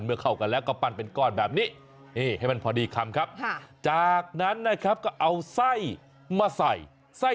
เมื่อเข้ากันแล้วก็ปั้นเป็นก้อนแบบนี้